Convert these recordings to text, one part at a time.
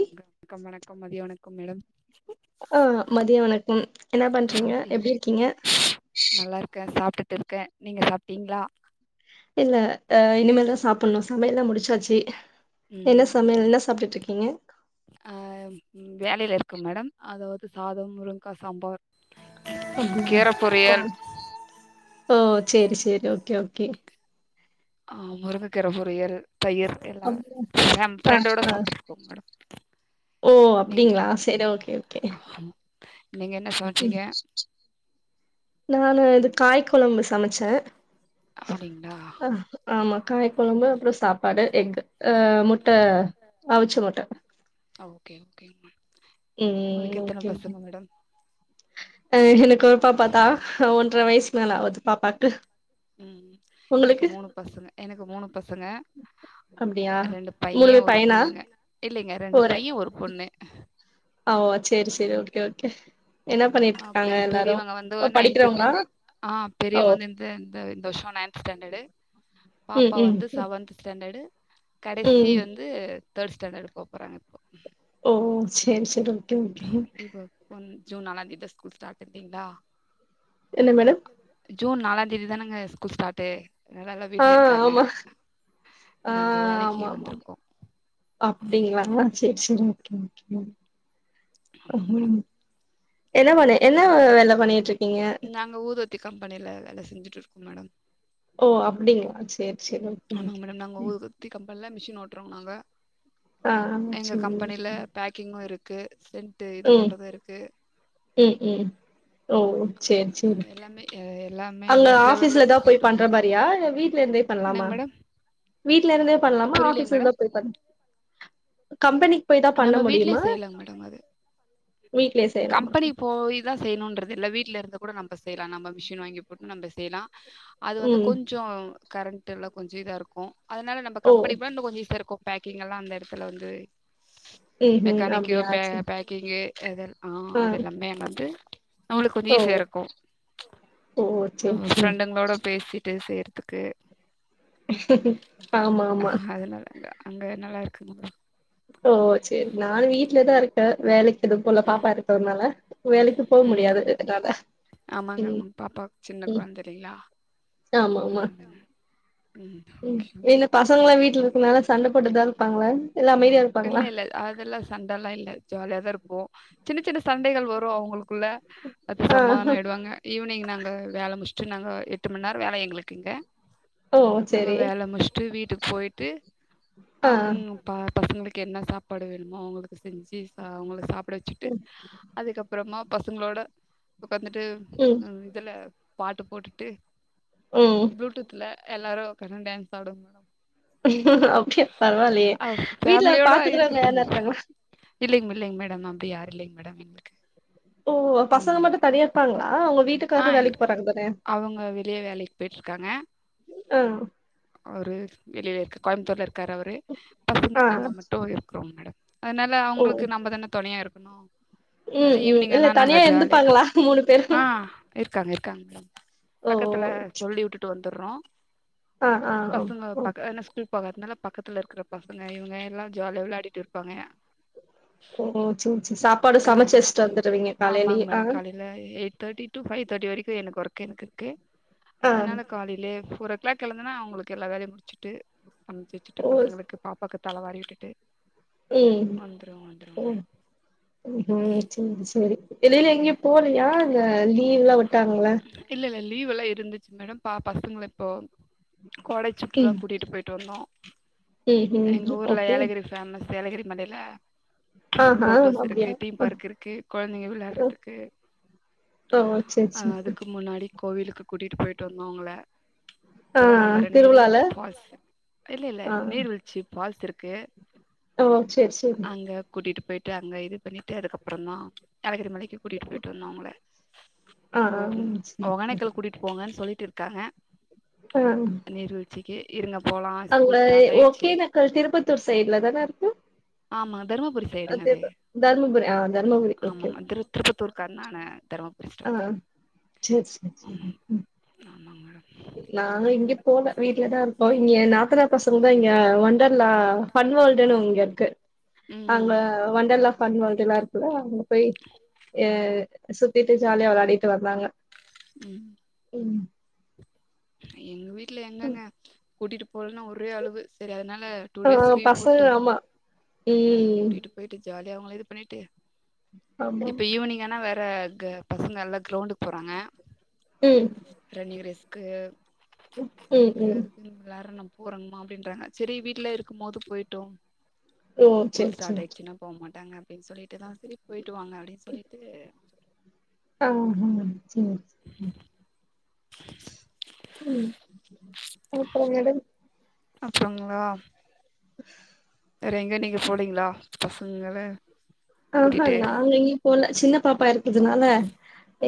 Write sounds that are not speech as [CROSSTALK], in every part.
வணகம் வணக்கம் வணக்கம் மதிய வணக்கம் மேடம் ஆஹ் மதிய வணக்கம் என்ன பண்றீங்க சாப்ட்டீங்களே எப்படி இருக்கீங்க ட்டு இருக்கேன் நீங்க சாப்பிட்டீங்களா இல்ல அஹ இனிமே தான் சாப்பிடணும் சமையல்லாம் முடிச்சாச்சி என்ன சமையல் என்ன சாப்பிட்ட்டு இருக்கீங் இங்க அஹ வேலையில இருக்கு மேடம் அதாவது சாதம் முருங்க கா சாம்பார் அப்டியா கீர ஓ பொரியல் ஓ செரி செரி ஓக்கே ஓக்கே ஆஹ முருங்கக்கா ரொம்ப ரியரு பயிர் எல்லா அப்புறம், ஃபேம் ஆ ஃபிரண்டோட ஆ சாப்பிங் போபடும் ஓ நீங்க அப்டிங்களா சேரி ஓகே ஓகே நீங்க என்ன சமைச்சீங்க நான் இது காய்கு குழம்பு சமைச்சேன் அப்டிங்களா ஹ ஆமா காய் குழம்பு அப்புறம் சாப்பாடு எக்கு அஹ முட்ட ஆவிச்சு முட்ட கெ மா உங்களுக்கு எத்தன பசங்க மேடம் அஹ எனக்கு ஒரு பாப்பா தான் ஒன்றரை வயசு மேல ஆகுது பாப்பாக்கு உம் எனக்கு உங்களுக்கு மூணு பசங்க எனக்கு மூணு பசங்க அப்படியா ரெண்டு பைய மூணுமே ஒரு பையனா பொண்ணுங்க இல்லைங்க ரெண்டு போறேன் பைய ஒரு பொண்ணு அ ஓ சரி சரி ஓகே ஓகே என்ன பண்ணிட்டு அஹ பெ இருக்காங்க எல்லாரு பெரியவங்க வந்து ஓ நைன்து படிக்கிறவங்களா ஆஹ் ஓ பெரியவங்க வந்து இந்த வருஷம் நைன்த் ஸ்டாண்டர்டு ம் பாப்பா வந்து ம் செவன்த் ஸ்டாண்டர்டு கடைசி ம் வந்து தேர்ட ஸ்டண்டர்ட் போ போறாங்க ஓ சரி சரி ஓகே ஓகே இப்போ ஒன் ஜூன் நாலாந் தேதி ஸ்கூல் ஸ்டார்ட் பண்ணிட்டீங்களா என்ன மேடம் ஜூன் நாலாம் தேதி தான நாங்க ஸ்கூல் ஸ்டார்ட்டு அதனால எல்லா வீட்ல ஆஹ் இருக்காங்க ஆமா நாங்க ஆஹ் வேலைக்கு ஆமா ஆமா வந்திருக்கோ அப்படிங்களாா சரி சரி [INAUDIBLE] [INAUDIBLE] ஆமாங்க மேடம் என்ன பண்ண என்ன அப்றோப்பா வேல பண்ணிட்டு இருக்கீங்க நாங்க ஊதுவத்தி கம்பெனில வேல செஞ்சுட்டு இருக்கோம் மேடம் ஓ அப்படிங்களா சரி ஆமாங்க மேடம் நாங்க ஊதுபத்தி ப்பல்ல மிஷின் ஓட்டுறவங்க நாங்க [INAUDIBLE] ஓ கே சென்ட் இது ம் பண்றது இருக்கு ம் ம் ஓ சேரி சேரி எல்லாமே எல்லாமே அங்க எல்லா ஒருஆபிீஸ்ல ஃப்ளேவர்லையும் தான் எங்களுக்கு செஞ்சு போய்ண்ற கொடுங்க மாதிரியா வீட்டுல இருந்தே என்னங்க பண்ற மேடம் வீட்டுல இருந்தே பண்ணலாம புரியலைங்க ஆபீஸ்லதா மேடம் போய் பண்ண கம்பெனி போய் தான் நம்ம வீட்லயே செய்யலங்க மேடம் அது வீட்லயே செய்யலாமா கம்பெனி போய் தான் செய்யணும்ன்றது இல்ல வீ வீல இருந்து கூட நம் செய்யலாம் நம்ம மிஷின் வாங்கி போட்டு நம்ப செய்யலாம் அது வந்து ம் கொஞ்சம் கரண்ட் எல்லாம் கொஞ்சம் இதா இருக்கும் அதனால நம்மப ஓ கம்பெனிக்கு போனா இன்னும் கொஞ்சம்ஈசியா இருக்கும் பேக்கிங் எல்லாம் அந்த இடத்துல வந்து ம் ம் மெக்கானிக்கு அப்டியா பே சேரி பேக்கிஙு [UNINTELLIGIBLE] ஆஹ் ஆ அது எல்லாமேன வந்து நம்மளுக்கு கொஞ்சம் ஓ ஈஸியாக இருக்கும் ஓ சேரி நம்ம சேரி ஃப்ரெண்டுங்களோட பேசி விட்டு செய்றதுக்கு ஆமா ஆமா அங்க நல்லா இருக்குதுங்க ஓ சரி நானும் வீட்டுலதான் இருக்கேன் வேலைக்கு இது போல ம் பாப்பா இருக்கததுனால வேலக்கு போக ம் முடியாது என்னால ஆமாங்க உம் ஆமாங்க பாப்பா சின்ன உம் கொழந்த இல்லைங்களா ஆமா ஆ ஆமா அதுங்க ம் ஓகே ஓகே என்ன பசங்க லாம் வீட்டுல எங்க- இருக்குனால சண்ட போட்டுதான் இருப்பாங்கள எல்ல இல்ல இல்ல அதெல்லாம் சண்டெலாம் இல்லஜாலி அ தா ஓ சின்ன சின்ன சண்டைகள் வரும் அவங்களுக்குள்ள அது ஆ சமாதானம் ஆய்டுவாங்க ஈவினிங் நாங்க வேல முடிச்ச நாங்கள் எட்டு மணிநேர வேல எங்களுக்குங்க ஓ நாங்க சேரி வேல முச்சிட்டு வீட்டுக்கு போயிட்டு ஆ ஆங்கப்பா பசங்களுக்கு என்ன சாப்பாடு வேணுமோ அவங்களுக்கு செஞ்சு ச அவங்களுக்கு சா வச்சுட்டு ம் அதுக்கப்புறமா பசங்களோட உக்காந்துட்டு ம் உ இதுல பாட்டு போட்டுட்டு ம் ப்ளூடூத்ல எல்லாரு அப்படிதான் டான்ஸ் ஆடுவோம் அப்டியா பரவாலயே பேமிலியோட இருக்குது இல்லிங்க இல்லிங்க மேடம் அப்டி யாரு இல்லங்க மேடம் எங்களுக்கு ஓ பசங்க மட்டும் தனியா ம் இருப்பாங்களா அவங்க ஆ இருக்கு அவங்க வெளிய வேலக்கு போயிட்டு இருக்காங்க ஆ ஒரு வெளில இருக்கு கோயம்பத்தூர்ல இருக்கு க்க அவரு பசங்க ஆ நாங்க மட்டும் இருக்கிறோம் மேடம் அதனால அவங்களுக்கு நம்ம தானே துணையா இருக்கும் [INAUDIBLE] உம் உம் இல்ல தனியா இருந்துப்பாங்களா மூணு ஆ பேரும் இருக்காங்க இருக்காங்க மேடம் ஓ பக்கத்துல சொல்லி விட்டுட்டு வந் ஆ ஆ [UNINTELLIGIBLE] பசங்க ஓ [UNINTELLIGIBLE] பக்கத்துல இருக்கற பசங்க இவங்க எல்லாம் ஜாலிய விளாடிட்டு இருப்பாங்க ஓ செரி செ சாப்பாடு அதன் சமச்சி வெஸ்ட் வந்துடுவீங்க ஆமாங்க காலேலயே மேடம் ஆஹ் காலையில eight thirty to five thirty வரைக்கும் எனக்கு ஒர்க் [INAUDIBLE] ஆ அதனால காலையிலே [UNINTELLIGIBLE] எல்லாம் கிழந்தனா அவங்களுக்கு எல்லா வேலையும் முடிச்சிட்டு சமைச்சு வச்சுட்டு பசங்களுக்கு பாப்பா தலைவாரி விட்டுட்டு உம் வந்துருவோம் வந்துருவோம் ம் மேடம் உம் செரி செரி இல்லனா எங்கயும் போலயா இல்ல லீவ்ல்லாம் வுட்டாங்கள லீவெல்லாம் இருந்துச்சு மேடம் பா பசங்களை இப்போ கோடை சுற்றுலா கூட்டிட்டு போயிட்டு வந்தோம் ஹிம் எங்கள் ஹிம் ஊரில் ஓகே ஏலகிரி ஃபேமஸ் ஏலகிரி மலேல ஆஹா போட்டோஸ் இருக்கு அப்டியா தீம் பார்க் இருக்கு குழந்தைங்க ஓ விளாறதுக்கு ஓ சேரி அஹ் சேரி அதுக்கு முன்னாடி கோவிலுக்கு கூட்டிட்டு போயிட்டு வந்தவங்கள ஆ தலகம்பரம் திருவிழால நீர்வீழ்ச்சி ஃபால்ஸ் இல்ல இல்ல நீர்வீழ்ச்சி ஃபால்ஸ் இருக்கு ம்.. செரி செரி அங்க கூட்டிட்டு போயிட்டு அங்கே இது பண்ணிட்டு அதுக்கப்பறம் தான் ஏலகிரி மலைக்கு கூட்டிட்டு பேயிட்டு வந்தாங்குலே ஆ இப்போ ஆ சேரி ஒகோனைக்கள் கூட்டிட்டு போங்கன்னு சொல்லிட்டு இருக்காங்க [UNINTELLIGIBLE] நீர்வீழ்ச்சிக்கு இருங்க போலா அங்க ஸ்கூல் ஸ்டார்ட் ஆயிடுச்சு ஒகேனக்கல் திருப்பத்தூர் சைட்ல தானே இருக்கு ஆமா தருமபுரி சைடுங்க அது தர்மபுரி ஆஹ் தர்மபுரி ஓகே த்தூருக்கா நானு ஆஹ் செரி செரி செரி ஆமாம் ஆமாங்க மேடம் நாங்க இங்க போல வீட்டு்லதான் இருப்போம் இங்க நாத்தலா பசங்க தான் இங்க ஒண்டர்லா பன் வேல்டுன்னு இங்க இருக்கு அவங்க ம் வண்டர்லாப் அன்வ எல்லாம் இருக்குல்ல அங்க போய்ஹ சுத்திட்டு ஜாலிய விளையாடிட்டு வந்தாங்க உம் ம் எங்க வீட் வுட்டுல என்னங்க கூட்டிகிட்டு போகலன்னு ஒரே அளுவு செரி அதன டூ ஆ டேஸ் லீவ் பசங்க போட்டு ஆமா ம் கூட்டிட்டு போயட்டு ஜாலி அவங்களளை இது பண்ணிட்டு ஆமா இப்ப ஈவினிங் ஆனா வேற ற பசங்கள் எல்லாம் கிரௌண்டுக்கு போகறாங்க ம் ரன்னிங் ரேஸ் க்கு ம் அதுக்கு ம் அதுக்கு எல்லாரும் நம் போறங்கமா அப்படின்றாங்க சரி வீட்டுல இருக்கும் போது போயிட்டோம் ஓ சரி சரி விட்டாங்க அப்படின்னு சொல்லிட்டுதான் சிரி போயிட்டு வாாங்க அப்படின்னு சொல்லிட்டு ஹ சம் உம் அப்புறம்ங்கட அப்புறங்களா [INAUDIBLE] வேற எங்க நீங்க போலீங்களா பசங்கள ஆஹா கூட்டிட்டு நங்க எங்கி போல சின்ன பாப்பா இரு அதனால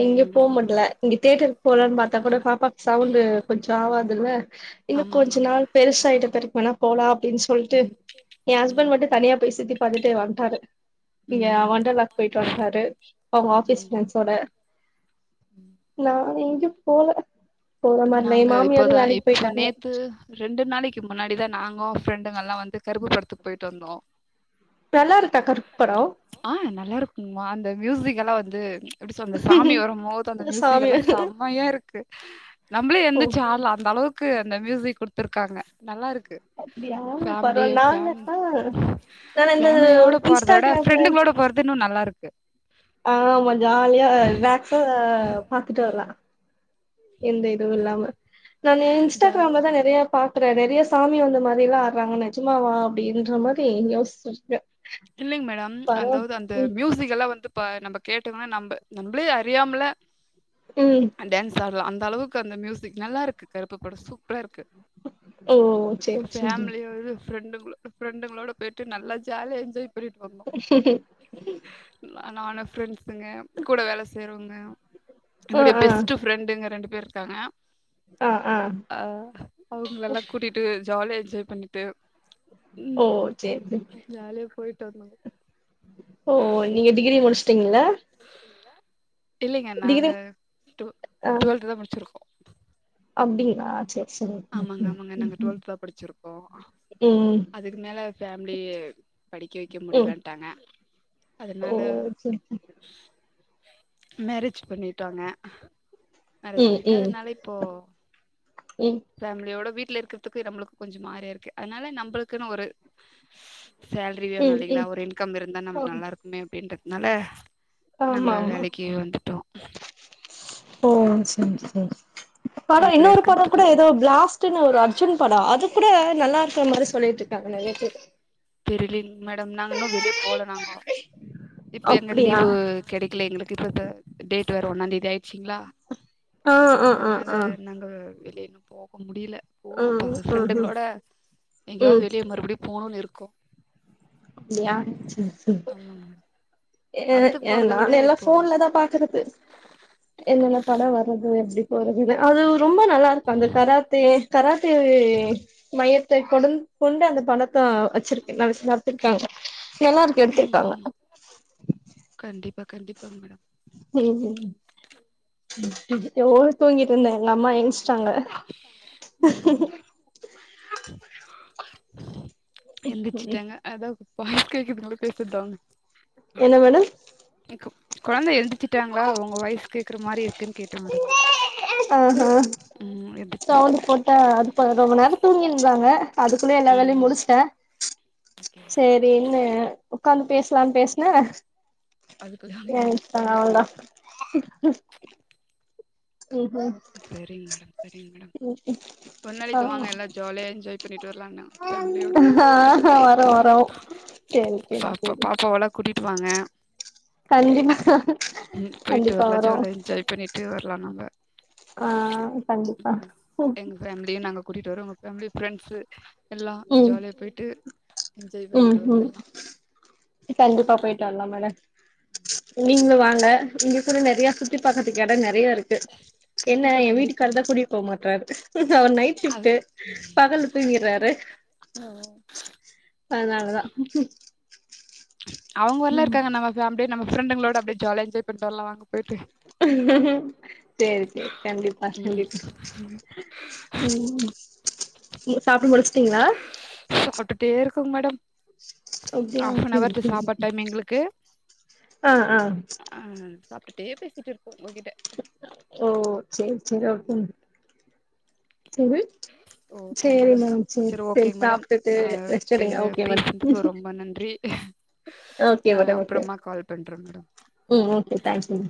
ம் எங்கயு போக ம் முடியல இங்க தேியட்டருக்கு போகலனு பார்த்தா கூட பாப்பாக்கு சவுண்ட் கொஞ்சம் ஆகாதுல்ல இன்னும் ஆமாங்க கொஞ்சம் ஆமாங்க நாள் பெருச ஆயிட்ட பெரு அன போலா அப்டின்னு சொல்ட் என் ம் ஹஸ்பண்ட் மட்டும் தனியா போய் சுத்தி பாார்த்தட்டு வன்ட்டாரு இங்க ம் வண்டர்லாக் போயிட்டு வந்துாரு அவங்க ஆபீஸ் ம் ஃப்ரெண்ஸோட அ எங்கயு போல போற மாதிரல்ல நாங்க என் மாமியாரும் இப்போதா வேலக்கு இப்போ போயிட்டாங்க நேத்து ரெண்டு நாளைக்கு முன்னாடிதான் நாங்க ஃப்ரெண்டுங்கல்லாம் வந்து கருப்பு படத்துக்கு போயிட்டு வந்தோம் நல்லா இருக்கா கருப்பு படம் மா அந்த மியூசிக் எல்லாம் வந்து எப்படி சொல்றது அந்த சாமி வரும்போது அந்த மியூசிக் சாமி எல்லாம் செமையா இருக்கு நம்மளே எந்தந்துச்சு ஓகே ஆடலாம் அந்த அளவுக்கு அந்த மியூசிக் கொடுத்துருக்காங்க நல்லா இருக் அப்டியா ஃபேமலி பரவால நானு ஃபேம் ஆ நான் இந்த ஃபேமலியோட போறத விட இன்ஸ்டாகிராம்ல ஃபிரண்டுகளோட போறதுன்னும் நல்லா இருக் இருக்கு ஆமா ஜாலியா ரிலாகஸா பாத்துட்டு வரலாம் எந்த இதுவும் இல்லாம நானு ஜாலியா இன்ஸ்டாகிராம்ல தான் நிறைய பாத் அப்புறம் நெறைய சாமி வந்த மாதிரல்லாம் ஆடுறாங்க நெஜமாவா அப்படின்ற மாதிரி யோசிச்சிருக்கேன் இல்லைங்க மேடம் அதாவது அந்த மியூசிக் எல்லாம் வந்து இப்ப நம்ம கேட்டங்கன்னா நம்ம நம்மளே அறியாமல ம் டான்ஸ் ஆடலாம் அந் அளவுக்கு அந்த மியூசிக் நல்லா இருக்கு கருப்பு படம் சூப்பரா இருக்கு ஓ சேரி சேரி ஃபேமிலியாவது ஃரெ ஃரெண்டுங்களோட போயிட்டு நல்ல ஜாலியாக என்ஜாய் புட்டு வந்தோம் நானும் ஃப்ரெண்ட்ஸுங்க கூட வேல செய்றவங்க ஆ என்னுடைய ஆ பெஸ்ட் ஃபரெண்ட் எங்க ரெ இப்ப இருக்காங்க ஆ ஆ ஆஹ் அவங்கள எல்லாம் கூட்டிட்டு ஜாலிய சேவ் பண்ணிட்டு ஓ ம் செரி செரி ஜாலியா போயிட்டு வந்தோங்க நீங்க டிகிரி முடிச்சுட்டீங்களா இல்லைங்க நாங்க டிகிரி டு டுவெல்த் தான் முடிச்சிருக்கோம் அப்படின்ங்களா ஆ சரி ஆமாங்க -ஆமாங்க நாங்க டுவெல்த தான் படிச்சிருக்கோம் ம் அதுக்கு மேல பேமிலி படிக்க வைக்க ம் முடியலட்டாங்க ஓ அதனால சேரி மேரேஜ் பண்ணிட்டாங்க மேரேஜ் ம் பண்ணீட்டா ம் அதனால இப்போ ம் ஃபேமிலியோட வீ வீட்ல இருக்கிறதுக்கு நம்மளுக்கு கொஞ்சோ மாதிரியா இருக்கு அதனால நம்மளுக்குன்னு ஒரு சேல்ரிய ம் நல்லா ம் ஒரு இன்கம் இருந்தா நம்மளுக்கு நல்லாருக்குமே அப்படின்றது னல ஆமா ஆமா ஓ சரி சரி படம் வீட்ல இன்னொரு படம் கூட இருக்கிறதுக்கு ஏதோ பிளா்ட்ன்னு ஒரு அ அர்ஜுன் படம் அது கூட நல்லா இருக்கற மாதிரி சொல்லிட்டு இருக்காங்க நெறய பேரு தெரியலங்க மேடம் நாங்க இன்னும் வெளியே போல நாங்க இப்ப எங்க அப்டியா லீவு கிடைக்கல எங்களுக்கு இப்பத்த டேட் வர ஒன்னாம் தேதி ஆயிடுச்சிங்களா ஆ ஆ ஆ அதனால ஆ நாங்க வெளிய இன்னும் போக முடியல போகணும் ப ம் ம் ஃப்ரெண்டுங்களோட எங்கயாவது ம் வெளிய மறுபடியும் போகணும்னு இருக்கு கு இல்லயா சரி சரி மேடம் படத்துக்கு ஏஹ் போறத விட நானெல்லாம் இப்போ போன்ல தான் பாக்குறது என்னல்லாம் படம் வர்றது எப்படி ஒரு அது ரொம்ப நல்லா இருக்கும் அந்த கராத்தே கராத்தே மையத்தை கொண் கொண்டு அந்த பணத்தை வச்சிருக்க [UNINTELLIGIBLE] எல்லாருக்கும் ம் எடுத்திருக்காங்க ஆமா கண்டிப்பா கண்டிப்பாங்க மேடம் ம் ம் ம் ஒரு தூங்கிட்டு இருந்த எங்க அம்மா என்ச்சிட்டாங்க [INAUDIBLE] ம் எந்துர்ச்சுட்டாங்க அதான் வாய்ஸ் கேக்குதுங்கள பேசுர்றது அவங் என்ன மேடம் கொழந்த எழுந்து வச்சிட்டாளா உங்க வய்ஸ் கேக்குற மாரி [INAUDIBLE] ஆ ம் எந்திரிச்சிட்டாங்க சவுன்டு போட்டா அது ரொம்ப நேரம் தூங்கிருந்தாங்க அதுக்குள்ளே எல்லா ம் வேலையும் ம் முடிச்டேன் ஓகே ஓகேங்க சரின்னு ஒக்காந்து பேசலான்னு பேஸ்ன அதுக்குள்ள அவங்க ஏன்ச்டாங்க எந்திரிச்சுட்டாங்க அவ்ளோதா [INAUDIBLE] ம் ம் சரிங்க மேடம் சரிங்க மேடம் பொன்னலைக்க ஆ வாங்க எல்லாம் ஜாலியா என்ஜய்பண்ணிட்டு வரலாம் பேமிலியோட ஆ வரு வரு சேரி சேரி பாப்பா சேரி பாப்பாவலா கூட்டிட்டு வாங்க கண்டிப்பா உம் போயிட்டு கண்டிப்பா வரலாம் வரு ஜாலி ஆஹ் என்ஜாய் பண்ணிட்டு வரலாம் நம்ம ஆஹ் கண்டிப்பா எங்க ஃபேமிலியு நாங்க கூட்டிட்டு வரோ உங்க ஃபேமிலி ப்ரெண்ட்ஸ் எல்லா ம் ஜாலியா போயிட்டு என்ஜாய் ம் பண்ணிட்டு ம் வந்தலாம் கண்டிப்பா போயிடு வரலாம் மேடம் நீங்களும் வாங்க இங்க கூட நிறைய சுத்தி பக்க இ கடை நிறைய இருக்கு என்ன கண்டிப்பா என் கண்டிப்பா வீட்டுக்காரு தான் கூட்டிடு போமாட்டறாரு அவர் நைட் அது ஷிப்ட் பகல்ல தூங்கடுறாரு அதனாலதான் ச்சு அவங்க வரலான இருக்காங்க நம்ம ஃபேமிலி ஆஹா நம்ம ப்ரண்டுங்களோட அப்படி ஜாலியா என்ஜாய் பண்ணிடு வரலாம் வாங்க போயிட்டு சேரி சேரி கண்டிப்பா ம் கண்டிப்பா உம் சாப்பிட முச்சு சாப்டுடே க்கேன் மேடம் அப்டியா சேரி ஆஃப்நவர் சாப்பாடு சேரி டைம் எங்களுக்கு ஆ ஆ ஹா தே பேசிட்டு இருக்கு ஓ சேரி சேரி ஓகே உம் ஓகே மேடம் சேரி செரி ஓகே சேரி மேடம் சாப்ட்டுட்டு ஆஹா ரெஸ்ட் எடுங்க ஓகே மேடம் பேசதுக்கு ரொம்ப நன்றி ஓகே ந மேடம் ஓகே அப்புறமா கால் பண்றேன் ம் ஓகே தேங்க்யூ மேம்